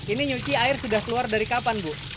ini nyuci air sudah keluar dari kapan bu